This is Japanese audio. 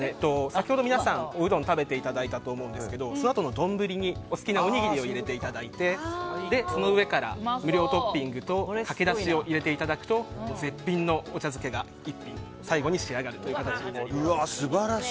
先ほど皆さんおうどんを食べていただいたと思うんですがそのあとの丼にお好きなおにぎりを入れていただいてそのうえから、無料トッピングとかけだしを入れていただくと絶品のお茶漬けが最後に仕上がるという感じになります。